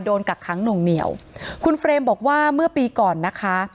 กักค้างหน่วงเหนียวคุณเฟรมบอกว่าเมื่อปีก่อนนะคะ